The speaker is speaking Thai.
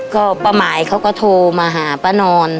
ก็ป้าหมายเขาก็โทรมาหาป้านอน